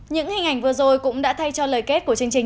những hình ảnh vừa rồi cũng đã thay cho lời kết của chương trình